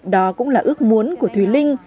đó cũng là ước muốn của thùy linh